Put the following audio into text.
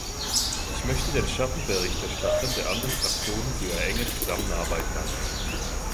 Ich möchte den Schattenberichterstattern der anderen Fraktionen für ihre enge Zusammenarbeit danken.